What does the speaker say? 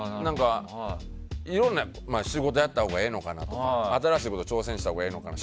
いろんな仕事をやったほうがええのかなとか新しいこと挑戦したほうがいいのかな